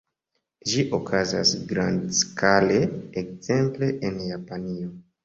Ĝi okazas grandskale, ekzemple en Japanio.